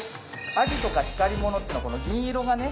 アジとか光り物っていうのは銀色がね